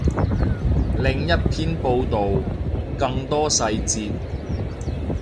另一篇报道，更多细节